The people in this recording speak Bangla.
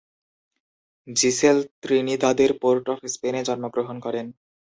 জিসেল ত্রিনিদাদের পোর্ট-অফ-স্পেনে জন্মগ্রহণ করেন।